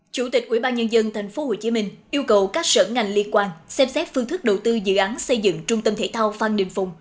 chủ tịch ubnd tp hcm yêu cầu các sở ngành liên quan xem xét phương thức đầu tư dự án xây dựng trung tâm thể thao phan đình phùng